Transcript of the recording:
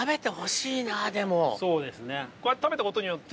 そうですね。